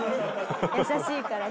優しいからね。